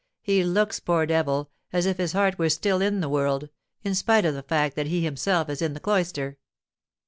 He looks, poor devil, as if his heart were still in the world, in spite of the fact that he himself is in the cloister.